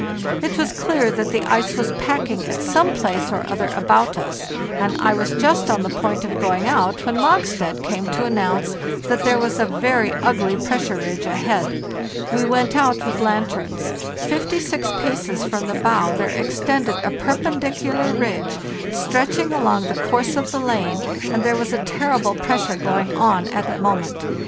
It was clear that the ice was packing at some place or other about us, and I was just on the point of going out when Mogstad came to announce that there was a very ugly pressure ridge ahead. We went out with lanterns. Fifty six paces from the bow there extended a perpendicular ridge stretching along the course of the lane, and there was a terrible pressure going on at the moment.